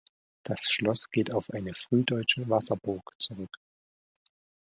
Das Schloss geht auf eine frühdeutsche Wasserburg zurück.